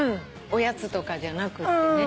おやつとかじゃなくってね。